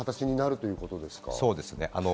そうですね。